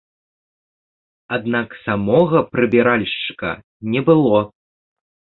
Аднак самога прыбіральшчыка не было.